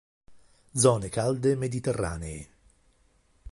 Zone calde mediterranee.